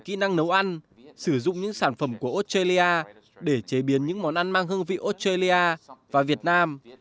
và chúng tôi cũng thông qua các cuộc thi kỹ năng nấu ăn sử dụng những sản phẩm của australia để chế biến những món ăn mang hương vị australia và việt nam